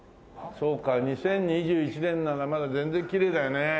そうか２０２１年ならまだ全然きれいだよね。